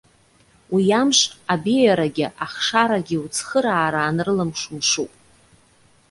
Уи амш, абеиарагьы ахшарагьы уцхыраара анрылымшо мшуп.